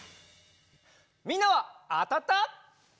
みんなはあたった？